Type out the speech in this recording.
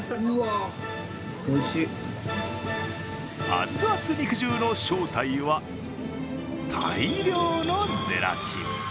熱々肉汁の正体は大量のゼラチン。